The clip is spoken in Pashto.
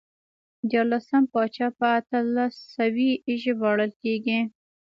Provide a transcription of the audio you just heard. دیارلسم پاچا په اتلس سوی ژباړل کېږي.